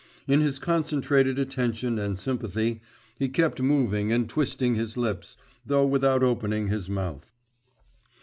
In his concentrated attention and sympathy, he kept moving and twisting his lips, though without opening his mouth.